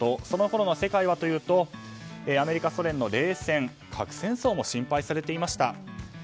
そのころの世界はというとアメリカ、ソ連の冷戦核戦争も心配されていました。